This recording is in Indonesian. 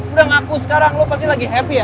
udah ngaku sekarang lo pasti lagi happy ya